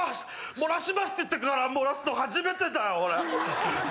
「漏らします」って言ってから漏らすの初めてだよ。